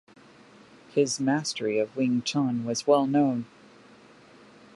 His mastery of Wing Chun was well known.